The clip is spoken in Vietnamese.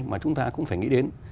mà chúng ta cũng phải nghĩ đến